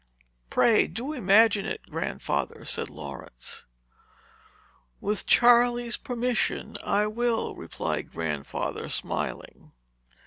"Pray do imagine it, Grandfather," said Laurence. "With Charley's permission, I will," replied Grandfather, smiling.